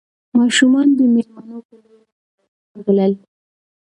ماشومان د مېلمنو په لور ورغلل.